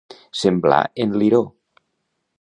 Semblar en Liró.